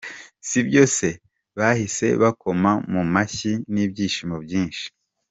Sibyo se?”, bahise bakoma mu mashyi n’ibyishimo byinshi.